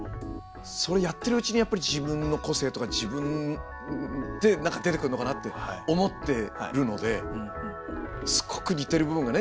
それやってるうちにやっぱり自分の個性とか自分って何か出てくるのかなって思ってるのですごく似てる部分がね